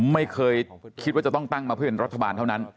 ไม่เคยคิดว่าจะต้องตั้งมาเพื่อเป็นรัฐบาลเท่านั้น